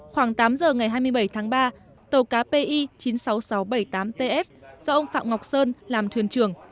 khoảng tám giờ ngày hai mươi bảy tháng ba tàu cá pi chín mươi sáu nghìn sáu trăm bảy mươi tám ts do ông phạm ngọc sơn làm thuyền trưởng